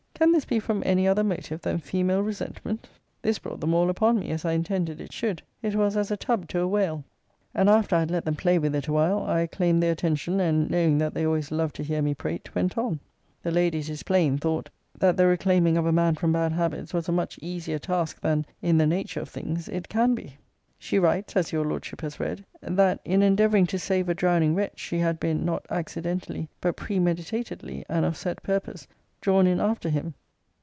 Can this be from any other motive than female resentment? This brought them all upon me, as I intended it should: it was as a tub to a whale; and after I had let them play with it a while, I claimed their attention, and, knowing that they always loved to hear me prate, went on. The lady, it is plain, thought, that the reclaiming of a man from bad habits was a much easier task than, in the nature of things, it can be. She writes, as your Lordship has read, 'That, in endeavouring to save a drowning wretch, she had been, not accidentally, but premeditatedly, and of set purpose, drawn in after him.'